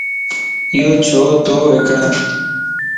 ايو ڇو تو وڪڻ؟